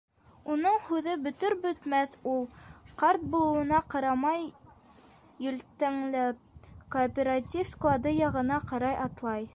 Уның һүҙе бөтөр-бөтмәҫ, ул, ҡарт булыуына ҡарамай йөлтәңләп, кооператив склады яғына ҡарай атлай.